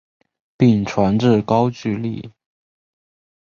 并传至高句丽。